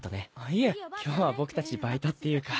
いえ今日は僕たちバイトっていうか。